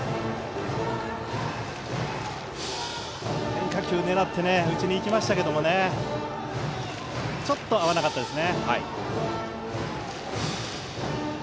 変化球狙って打ちに行きましたけどちょっと合わなかったです。